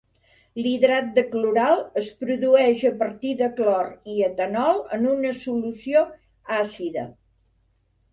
L'hidrat de cloral es produeix a partir de clor i etanol en una solució àcida.